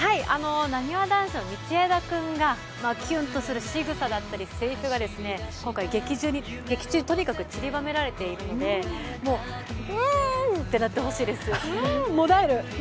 なにわ男子の道枝君がキュンとするしぐさだったりせりふが今回、劇中とにかくちりばめられているので、うーん！ってなってほしいです。